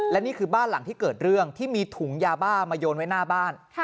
และนี่คือบ้านหลังที่เกิดเรื่องที่มีถุงยาบ้ามาโยนไว้หน้าบ้าน